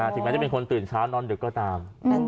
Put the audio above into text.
ถึงแม้จะเป็นคนตื่นเช้านอนดึกก็ตาม